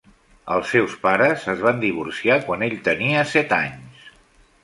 Els seus pares es van divorciar quan ell tenia set anys.